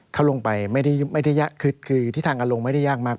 เข้าลงไปที่ทางกันลงไม่ได้ยากมาก